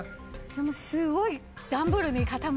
でもすごい。